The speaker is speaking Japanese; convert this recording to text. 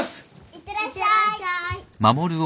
いってらっしゃい。